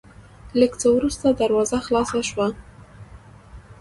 لېږ څه ورورسته دروازه خلاصه شوه،